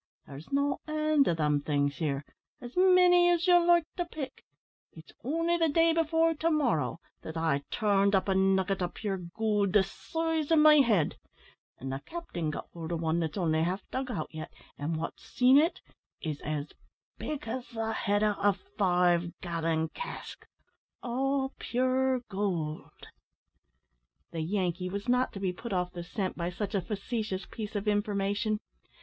There's no end o' them things here as many as ye like to pick; it's only the day before to morrow that I turned up a nugget of pure goold the size of me head; and the capting got hold o' wan that's only half dug out yet, an' wot's seen o' 't is as big as the head o' a five gallon cask all pure goold." The Yankee was not to be put off the scent by such a facetious piece of information.